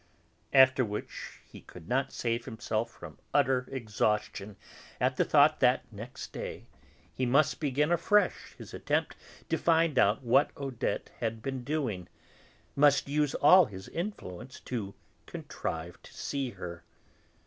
After which he could not save himself from utter exhaustion at the thought that, next day, he must begin afresh his attempt to find out what Odette had been doing, must use all his influence to contrive to see her.